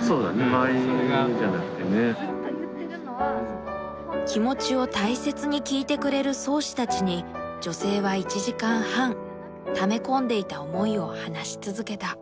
そうだね気持ちを大切に聞いてくれるそうしたちに女性は１時間半ため込んでいた思いを話し続けた。